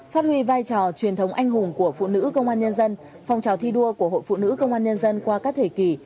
phát huy vai trò truyền thống anh hùng của phụ nữ công an nhân dân phong trào thi đua của hội phụ nữ công an nhân dân qua các thời kỳ